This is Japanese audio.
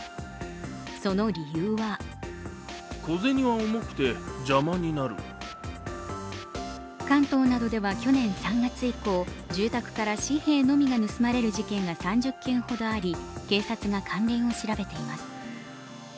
その理由は関東などでは去年３月以降住宅から紙幣のみが盗まれる事件が３０件ほどあり、警察が関連を調べています。